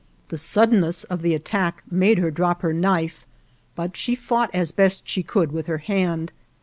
The suddenness of the attack made her drop her knife, but she fought as best she could with her hand.